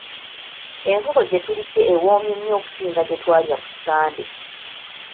Enkoko gye tulidde ewoomye nnyo okusinga gye twalya ku ssande.